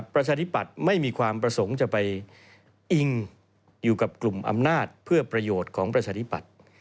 ประชาธิปัตย์ไม่มีความประสงค์จะไปอิงอยู่กับกลุ่มอำนาจเพื่อประโยชน์ของประชาธิปัตย์